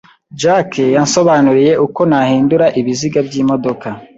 Jack yansobanuriye uko nahindura ibiziga by'imodoka.